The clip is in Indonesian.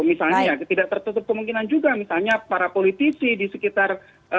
misalnya tidak tertutup kemungkinan juga misalnya para politisi di sekitar